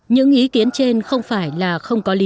những ý kiến trên không phải là không có lý